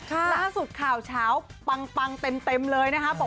ล่าสุดข่าวเช้าปังเต็มเลยนะคะ